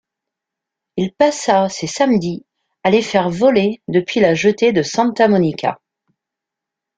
Il passa ses samedis à les faire voler depuis la jetée de Santa Monica.